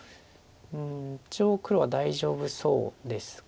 うん一応黒は大丈夫そうですか。